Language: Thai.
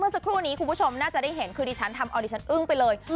สักครู่นี้คุณผู้ชมน่าจะได้เห็นคือดิฉันทำเอาดิฉันอึ้งไปเลย